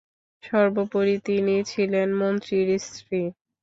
সর্বোপরি তিনি ছিলেন মন্ত্রীর স্ত্রী।